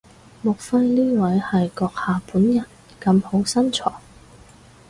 莫非呢位係閣下本人咁好身材？